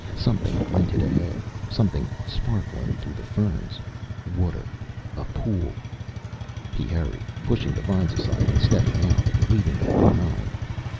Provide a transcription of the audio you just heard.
Something glinted ahead, something sparkling through the ferns. Water. A pool. He hurried, pushing the vines aside and stepping out, leaving them behind.